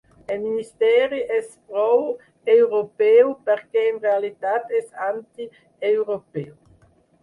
El ministeri és pro-europeu perquè en realitat és antieuropeu.